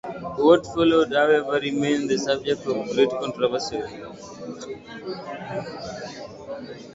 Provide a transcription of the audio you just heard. What followed, however, remained the subject of great controversy.